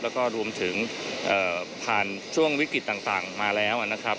แล้วก็รวมถึงผ่านช่วงวิกฤตต่างมาแล้วนะครับ